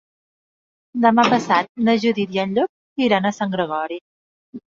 Demà passat na Judit i en Llop iran a Sant Gregori.